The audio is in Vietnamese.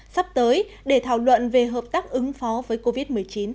sắp tới để thảo luận về hợp tác ứng phó với covid một mươi chín